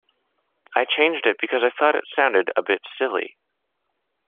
I changed it because I thought it sounded a bit silly.